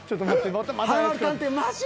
また。